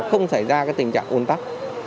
không xảy ra tình trạng ủn tắc